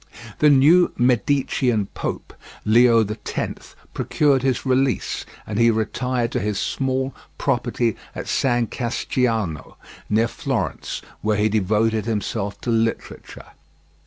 The new Medicean pope, Leo X, procured his release, and he retired to his small property at San Casciano, near Florence, where he devoted himself to literature.